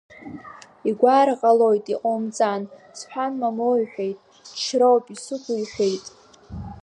Игәаар ҟалоит, иҟоумҵан, — сҳәан, мамоу иҳәеит, ҽшьроуп исықәу иҳәеит…